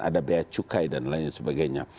ada biaya cukai dan lain sebagainya